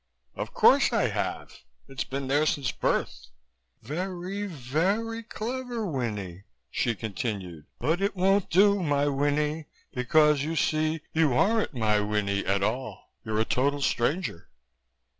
"Of course I have. It's been there since birth." "Very, very, clever, Winnie," she continued, "but it won't do, my Winnie, because you see you aren't my Winnie at all. You're a total stranger."